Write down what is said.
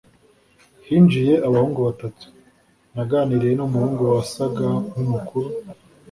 hinjiye abahungu batatu. naganiriye numuhungu wasaga nkumukuru